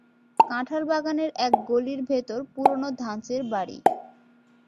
কাঁঠালবাগানের এক গলির ভেতর পুরোনো ধাঁচের বাড়ি।